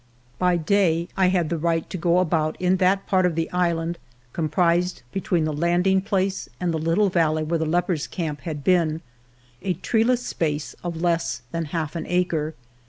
By day I had the right to go about in that part of the island comprised between the landing place and the little valley where the lepers' camp had been, a treeless space of less than half an acre.